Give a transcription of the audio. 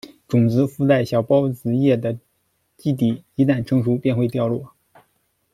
种子附着在小孢子叶的基底，一旦成熟便会掉落。